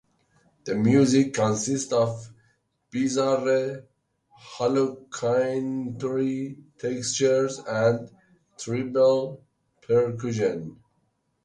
The music consists of bizarre, hallucinatory textures and tribal percussion.